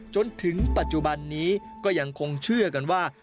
จนถึงปัจจุบันนี้ก็ยังคงเชื่อกันว่า